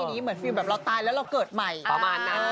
เหมือนฟิวแบบเราตายแล้วเราเกิดใหม่